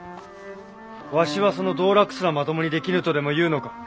わしはその道楽すらまともにできぬとでも言うのか？